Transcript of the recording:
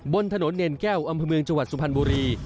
บนถนนเนรแก้วอำเภอเมืองจังหวัดสุพรรณบุรี